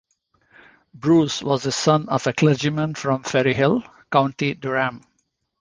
Bruce was the son of a clergyman from Ferryhill, County Durham.